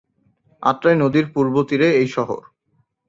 আত্রাই নদীর পূর্ব তীরে এই শহর।